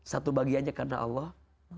satu bagiannya karena allah